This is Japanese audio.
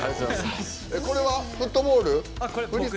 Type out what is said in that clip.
これはフットボール？